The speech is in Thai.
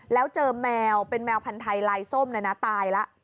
แล้วเจอแมวเป็นแมวพันธัยลายส้มเลยนะตายแล้ว